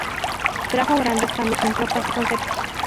Trajo grandes cambios en tropas y conceptos.